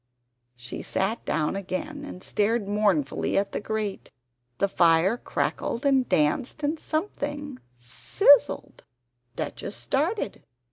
She sat down again, and stared mournfully at the grate. The fire crackled and danced, and something sizz z zled! Duchess started!